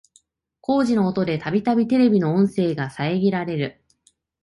工事の音でたびたびテレビの音声が遮られる